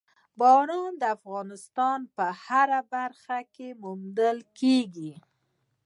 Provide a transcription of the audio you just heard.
باران د افغانستان په هره برخه کې موندل کېږي.